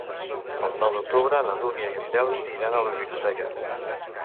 El nou d'octubre na Duna i en Telm iran a la biblioteca.